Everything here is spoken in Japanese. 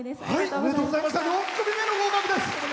４組目の合格です！